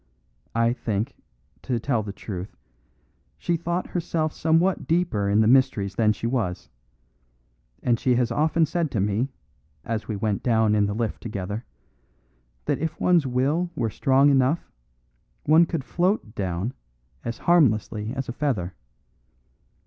I think, to tell the truth, she thought herself somewhat deeper in the mysteries than she was; and she has often said to me, as we went down in the lift together, that if one's will were strong enough, one could float down as harmlessly as a feather.